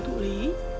trung tụ lý